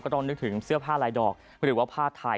ต้องนึกถึงเสื้อผ้าลายดอกหรือว่าผ้าไทย